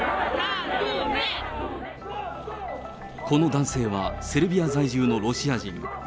この男性はセルビア在住のロシア人。